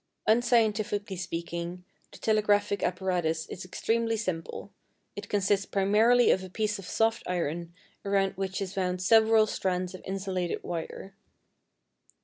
Unscientifically speaking, the telegraphic apparatus is extremely simple: it consists primarily of a piece of soft iron around which is wound several strands of insulated wire.